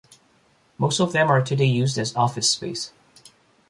Most of them are today used as office space.